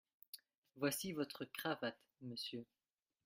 Voici votre cravate, monsieur.